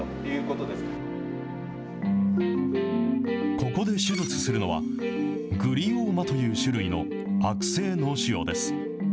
ここで手術するのは、グリオーマという種類の悪性脳腫瘍です。